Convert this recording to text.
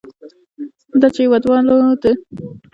دا چې هېوادونو د تاریخ په اوږدو کې ځان ته غوره کړي وو.